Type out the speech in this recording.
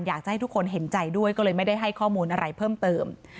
อยากจะให้ทุกคนเห็นใจด้วยก็เลยไม่ได้ให้ข้อมูลอะไรเพิ่มเติม